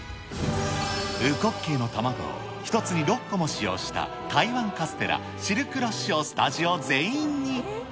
烏骨鶏の卵を１つに６個も使用した台湾カステラ、シルクロッシュをスタジオ全員に。